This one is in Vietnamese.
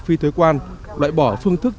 phi thuế quan đoại bỏ phương thức